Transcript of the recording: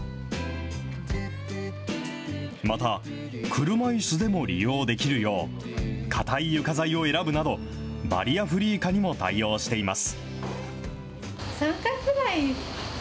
また、車いすでも利用できるよう、堅い床材を選ぶなど、バリアフリー化にも対応しています。